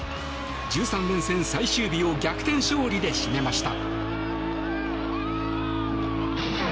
１３連戦最終日を逆転勝利で締めました。